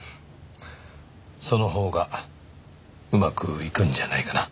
そのほうがうまくいくんじゃないかな？